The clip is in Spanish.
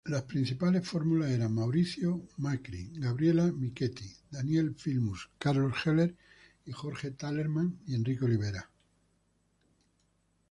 Los principales fórmulas eran Mauricio Macri-Gabriela Michetti, Daniel Filmus-Carlos Heller y Jorge Telerman-Enrique Olivera.